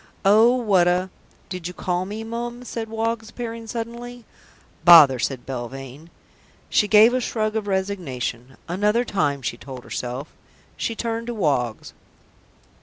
"Oh, what a " "Did you call me, Mum?" said Woggs, appearing suddenly. "Bother!" said Belvane. She gave a shrug of resignation. "Another time," she told herself. She turned to Woggs.